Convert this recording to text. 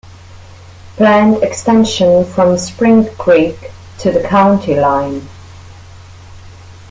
Planned extension from Spring Creek to the county line.